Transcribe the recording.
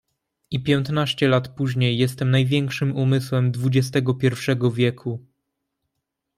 I piętnaście lat później jestem największym umysłem dwudziestego pierwszego wieku.